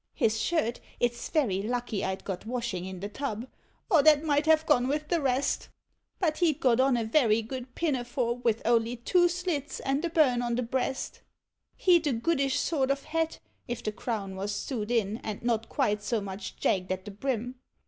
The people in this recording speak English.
His shirt, it 's very lucky I 'd got washing in the tub, or that might have gone with the rest; But he'd got on a very good pinafore with only two slits and a burn on the breast. He 'd a goodish sort of hat, if the crown was sewed iu. and not quite so much jagged at the brim.